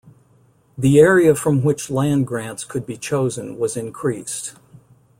The area from which land grants could be chosen was increased.